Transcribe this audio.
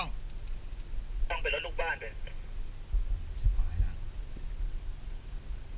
ต้องไปรถลูกบ้านเปลี่ยน